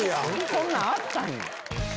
こんなんあったんやん。